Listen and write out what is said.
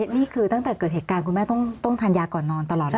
นี่คือตั้งแต่เกิดเหตุการณ์คุณแม่ต้องทานยาก่อนนอนตลอดเวลา